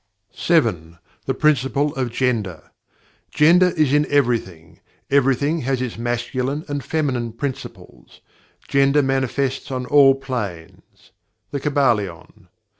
7. The Principle of Gender "Gender is in everything; everything has its Masculine and Feminine Principles; Gender manifests on all planes." The Kybalion.